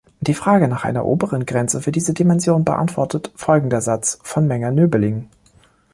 Die Frage nach einer oberen Grenze für diese Dimension beantwortet folgender Satz von Menger-Nöbeling.